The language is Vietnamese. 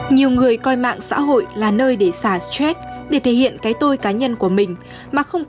nhiều người coi mạng xã hội là nơi để xả stress để thể hiện cái tôi cá nhân của mình